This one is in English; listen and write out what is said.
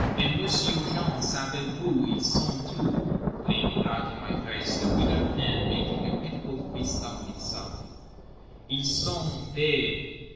Et M'sieu' Jean, savez vous, ils sont tous_"—leaning right in my face, the withered hand making a pitiful fist of itself—"_ils. Sont. Des.